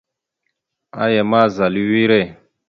Aya ma, zal a wire.